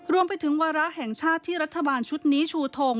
รวมไปถึงวาระแห่งชาติที่รัฐบาลชุดนี้ชูทง